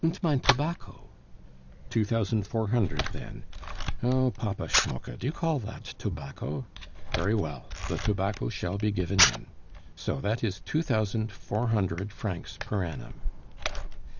"Und mein tobacco." "Two thousand four hundred, then.... Oh! Papa Schmucke, do you call that tobacco? Very well, the tobacco shall be given in. So that is two thousand four hundred francs per annum."